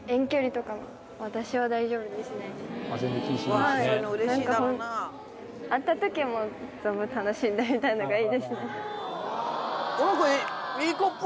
はい会った時存分楽しんでみたいのがいいですね